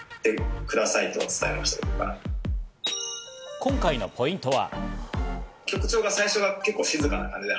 今回のポイントは。